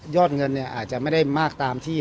อดเงินอาจจะไม่ได้มากตามที่